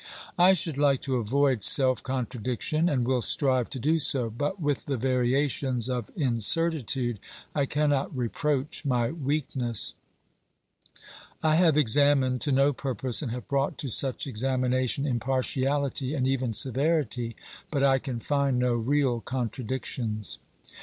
I should like to avoid self contradiction and will strive to do so, but with the variations of incertitude I cannot reproach my weakness. I have examined to no purpose and have brought to such examination impartiality and even severity, but I can find no real contradictions.